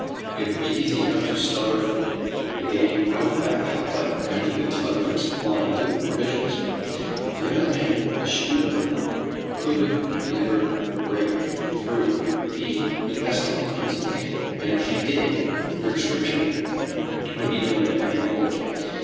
It would be easy enough to starve the gang out of Back Cup, by preventing the tug from supplying them with provisions. On the other hand, the schooner could never break through the investing lines, and if she did her description would be known in every port.